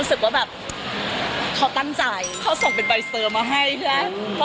รู้สึกว่าแบบเขาตั้งจ่ายเขาส่งเป็นใบเสิร์ฟมาให้แล้ว